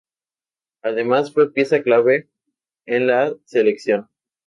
Además fue pieza clave en la selección.